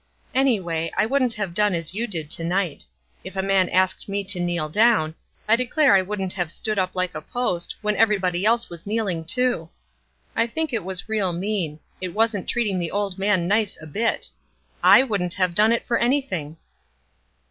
Anyway, I wouldn't have done as you did to night. If a man asked me to kneel down, I declare I wouldn't have stood up like a post, when every body else was kneeling, too. 1 thing ii was real mean ; it wasn't treating the old man nice a bit. /wouldn't have done it for anything."